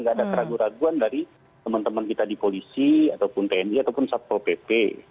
tidak teraguan raguan dari teman teman kita di polisi tni atau sapo pp